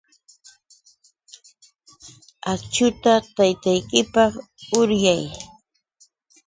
Akśhuta taytaykipaq uryay.